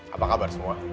apa kabar semua